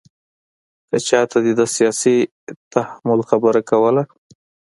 که چاته دې د سیاسي تحمل خبره کوله.